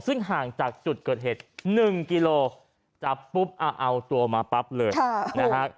ซึ่งห่างจากจุดเกิดเหตุ๑กิโลจับปุ๊บเอาตัวมาปั๊บเลยนะฮะ